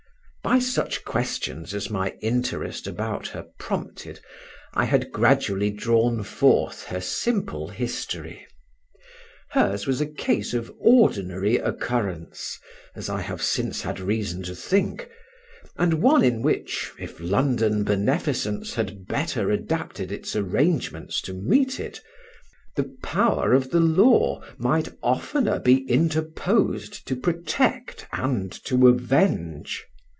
By such questions as my interest about her prompted I had gradually drawn forth her simple history. Hers was a case of ordinary occurrence (as I have since had reason to think), and one in which, if London beneficence had better adapted its arrangements to meet it, the power of the law might oftener be interposed to protect and to avenge.